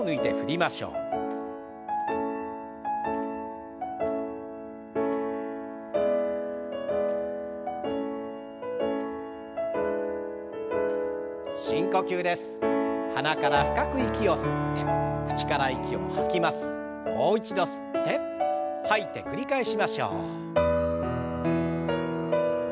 もう一度吸って吐いて繰り返しましょう。